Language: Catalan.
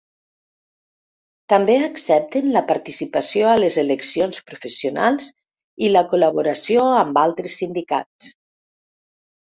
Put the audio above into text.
També accepten la participació a les eleccions professionals i la col·laboració amb altres sindicats.